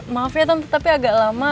maaf ya tapi agak lama